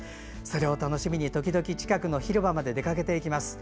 それを楽しみに時々近くの広場まで出かけていきます。